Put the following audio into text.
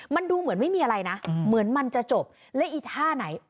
มันดูเหมือนไม่มีอะไรนะเหมือนมันจะจบและอีท่าไหน